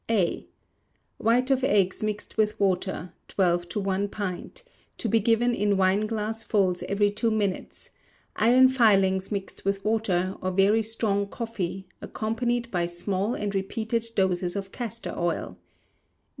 A. White of eggs mixed with water (twelve to one pint), to be given in wineglassfuls every two minutes; iron filings mixed with water, or very strong coffee, accompanied by small and repeated doses of castor oil.